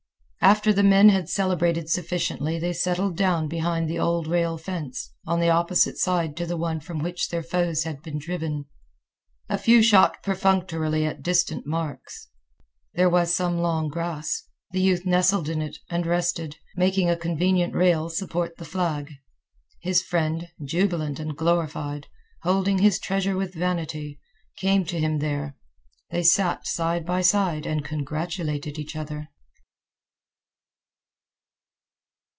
After the men had celebrated sufficiently they settled down behind the old rail fence, on the opposite side to the one from which their foes had been driven. A few shot perfunctorily at distant marks. There was some long grass. The youth nestled in it and rested, making a convenient rail support the flag. His friend, jubilant and glorified, holding his treasure with vanity, came to him there. They sat side by side and congratulated each other.